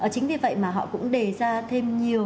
chính vì vậy mà họ cũng đề ra thêm nhiều